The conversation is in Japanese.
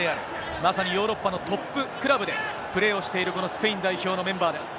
まさにヨーロッパのトップクラブでプレーをしている、このスペイン代表のメンバーです。